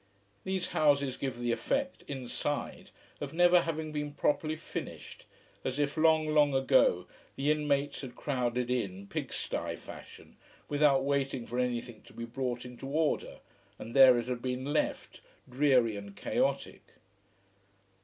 These houses give the effect, inside, of never having been properly finished, as if, long, long ago, the inmates had crowded in, pig sty fashion, without waiting for anything to be brought into order, and there it had been left, dreary and chaotic.